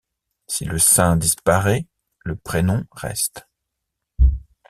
Si le saint disparaît, le prénom reste.